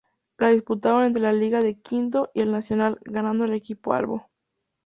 La disputaron entre Liga de Quito y El Nacional, ganando el equipo albo.